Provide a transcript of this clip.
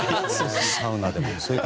サウナでも。